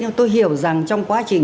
nhưng tôi hiểu rằng trong quá trình